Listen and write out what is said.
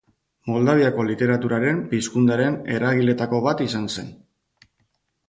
Moldaviako literaturaren pizkundearen eragileetako bat izan zen.